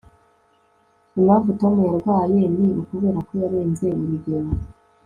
impamvu tom yarwaye ni ukubera ko yarenze urugero